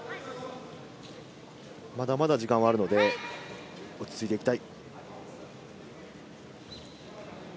まだまだ時間はあるので、落ち着いていきたい。